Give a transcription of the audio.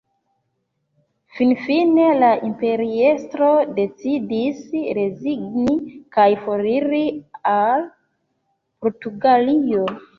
Finfine la imperiestro decidis rezigni kaj foriri al Portugalio.